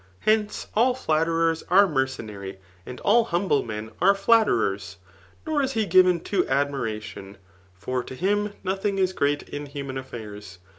Hence all flattetiera ave mercenary ; and aU humble men are to temr s . Nor is he given tt> admiration ; for to him IMkhing is great [in humm afiaiiB.